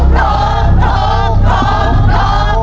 โต๊ะโต๊ะโต๊ะ